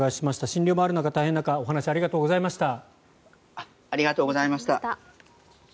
診療もある中、大変な中お話ありがとうございました。